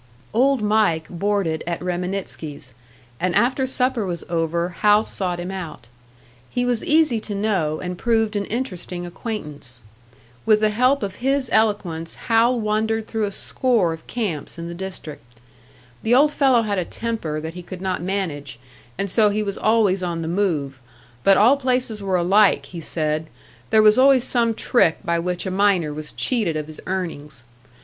Old Mike boarded at Reminitsky's, and after supper was over, Hal sought him out. He was easy to know, and proved an interesting acquaintance. With the help of his eloquence Hal wandered through a score of camps in the district. The old fellow had a temper that he could not manage, and so he was always on the move; but all places were alike, he said there was always some trick by which a miner was cheated of his earnings.